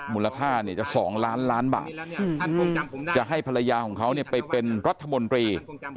มูลค่าจะ๒ล้านล้านบาทจะให้ภรรยาของเขาไปเป็นรัฐมนตรี